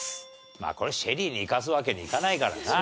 まあこれＳＨＥＬＬＹにいかすわけにいかないからな。